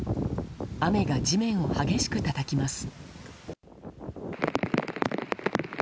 雨が地面を激しくたたきます。